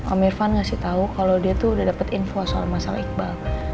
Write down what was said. om irvan ngasih tau kalo dia tuh udah dapet info soal masalah iqbal